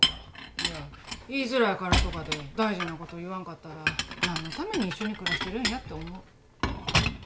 いや言いづらいからとかで大事なこと言わんかったら何のために一緒に暮らしてるんやって思う。